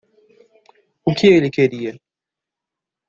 O que ele queria?